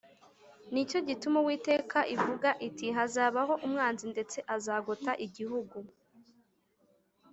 Ni cyo gituma Uwiteka Imana ivuga iti “Hazabaho umwanzi ndetse azagota igihugu